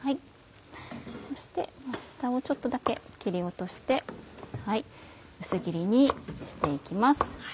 そして下をちょっとだけ切り落として薄切りにして行きます。